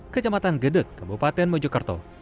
kecamatan gedek kebupaten mojokerto